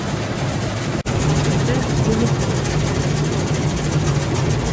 Son père est Polo Posey.